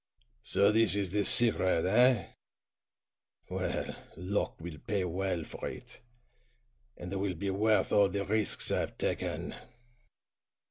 "So this is the secret, eh? Well, Locke will pay well for it, and it will be worth all the risks I've taken."